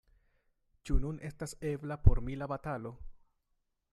Ĉu nun estas ebla por mi la batalo?